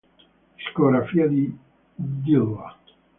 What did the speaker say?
Discografia di J Dilla